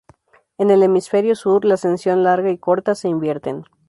En el hemisferio sur, la ascensión larga y corta se invierten.